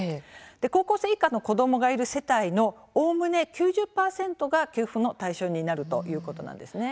高校生以下の子どもがいる世帯のおおむね９０％が給付の対象になるということなんですね。